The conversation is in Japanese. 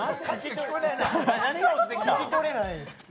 聞き取れない。